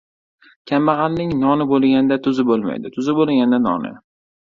• Kambag‘alning noni bo‘lganda tuzi bo‘lmaydi, tuzi bo‘lganda noni.